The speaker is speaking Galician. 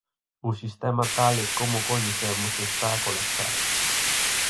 O sistema tal e como o coñecemos está a colapsar.